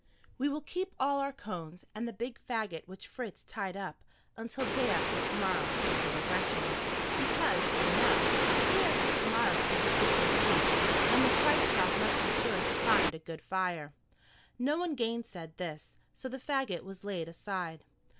"We will keep all our cones, and the big fagot which Fritz tied up, until day after to morrow," said little Gretchen; "because, you know, day after to morrow comes Christmas eve, and the Christ child must be sure to find a good fire." No one gainsaid this, so the fagot was laid aside.